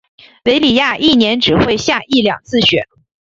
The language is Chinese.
韦里亚一年只会下一两次雪。